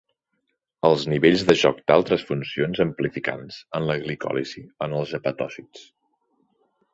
Els nivells de joc d'altres funcions amplificants en la glicòlisi en els hepatòcits.